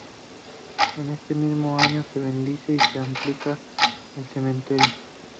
En este mismo año se bendice y se amplía el cementerio.